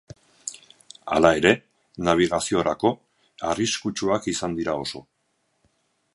Hala ere, nabigaziorako arriskutsuak izan dira oso.